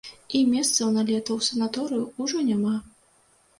І месцаў на лета ў санаторыі ўжо няма!